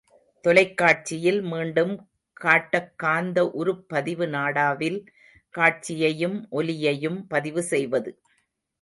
தொலைக்காட்சியில் மீண்டும் காட்டக் காந்த உருப்பதிவு நாடாவில் காட்சியையும் ஒலியையும் பதிவு செய்வது.